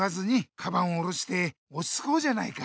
カバンを下ろしておちつこうじゃないか。